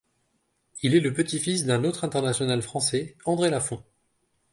Il est le petit-fils d'un autre international français, André Lafond.